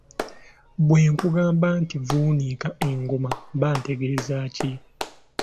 Bwe nkugamba nti vuunika engoma mba ntegeeza ki?